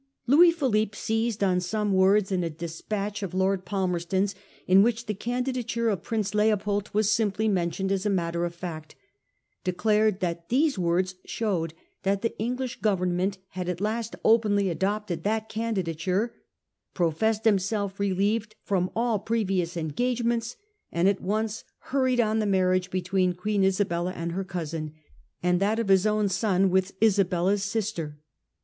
Louis. Philippe seized on some words in a despatch 1846 — 7 . M. GUIZOT'S TRIUMPH. 435 of Lord Palmerston's, in winch the candidature of Prince Leopold was simply mentioned as a matter of fact; declared that these words showed that the English Government had at last openly adopted that candidature, professed himself relieved from all pre vious engagements, and at once hurried on the mar riage between Queen Isabella and her cousin, and that of his own son with Isabella's sister.